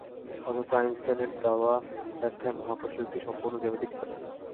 অথচ আইনস্টাইনের দেওয়া ব্যাখ্যায় মহাকর্ষ একটি সম্পূর্ণ জ্যামিতিক ব্যাপার।